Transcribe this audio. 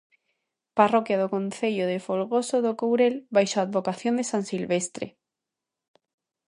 Parroquia do concello de Folgoso do Courel baixo a advocación de san Silvestre.